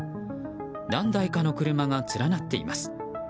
何台かの車が連なっています。